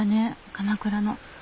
鎌倉の。